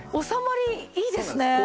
収まりいいですね。